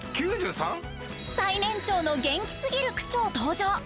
最年長の元気すぎる区長登場。